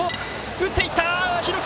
打っていった！